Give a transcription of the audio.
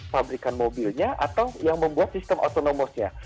pabrikan mobilnya atau yang membuat sistem autonomous nya